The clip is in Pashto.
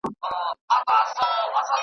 خو جاهل اولس .